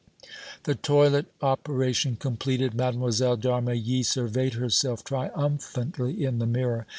The toilet operation completed, Mlle. d' Armilly surveyed herself triumphantly in the mirror.